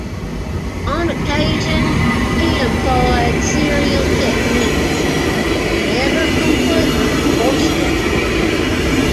On occasion he employed serial techniques, but never completely or strictly.